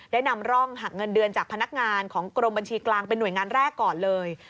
นำร่องหักเงินเดือนจากพนักงานของกรมบัญชีกลางเป็นหน่วยงานแรกก่อนเลย